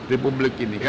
di publik ini